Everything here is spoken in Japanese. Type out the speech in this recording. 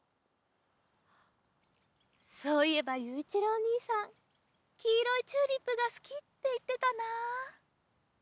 そういえばゆういちろうおにいさんきいろいチューリップがすきっていってたなあ。